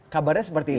kabarnya seperti itu